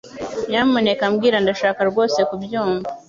Nyamuneka mbwira Ndashaka rwose kubyumva